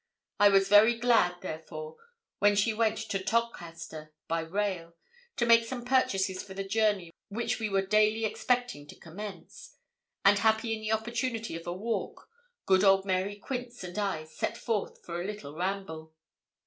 I was very glad, therefore, when she went to Todcaster by rail, to make some purchases for the journey which we were daily expecting to commence; and happy in the opportunity of a walk, good old Mary Quince and I set forth for a little ramble.